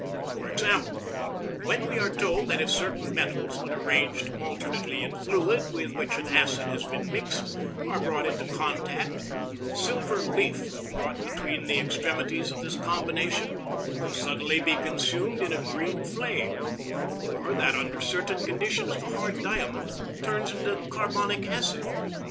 For example, when we are told that if certain metals, when arranged alternately in fluid with which an acid has been mixed, are brought into contact, silver leaf brought between the extremities of this combination will suddenly be consumed in a green flame; or that under certain conditions the hard diamond turns into carbonic acid.